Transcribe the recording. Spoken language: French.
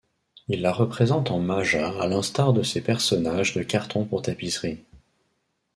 Il la représente en maja à l’instar de ses personnages de cartons pour tapisserie.